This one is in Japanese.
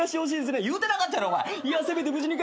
言うてなかったやろお前。